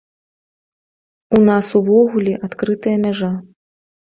У нас увогуле адкрытая мяжа!